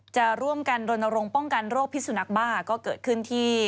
จะร่วมกันรณรงค์ป้องกันโรคพิสุนักบ้าก็เกิดขึ้นที่